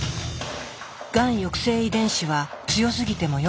がん抑制遺伝子は強すぎてもよくない。